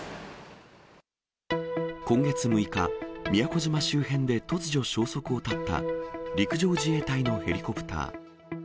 今月６日、宮古島周辺で突如、消息を絶った陸上自衛隊のヘリコプター。